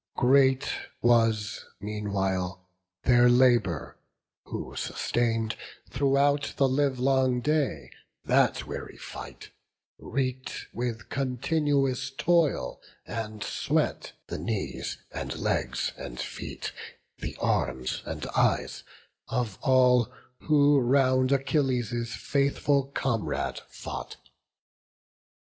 Great was meanwhile their labour, who sustain'd, Throughout the livelong day, that weary fight; Reek'd with continuous toil and sweat, the knees, And legs and feet, the arms, and eyes, of all Who round Achilles' faithful comrade fought.